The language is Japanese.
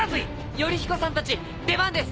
頼彦さんたち出番です！